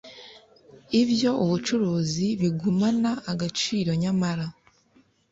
iby ubucuruzi bigumana agaciro nyamara